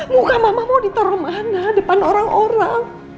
muka mama mau ditaruh mana depan orang orang